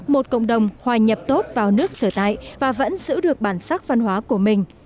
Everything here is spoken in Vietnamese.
một cộng đồng hòa nhập tốt vào nước sở tại và vẫn giữ được bản sắc văn hóa của mình